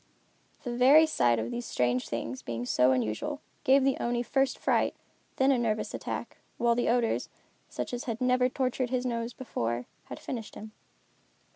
The very sight of these strange things being so unusual, gave the Oni first fright, and then a nervous attack, while the odors, such as had never tortured his nose before, had finished him.